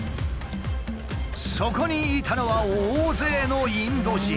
そこにいたのは大勢のインド人。